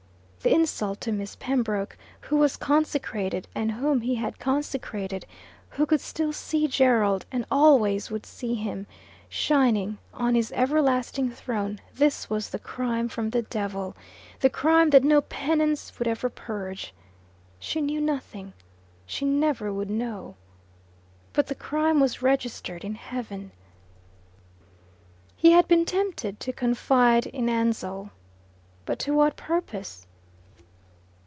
The insult to Miss Pembroke, who was consecrated, and whom he had consecrated, who could still see Gerald, and always would see him, shining on his everlasting throne this was the crime from the devil, the crime that no penance would ever purge. She knew nothing. She never would know. But the crime was registered in heaven. He had been tempted to confide in Ansell. But to what purpose?